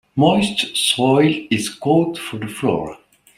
Moist soil is good for the flora.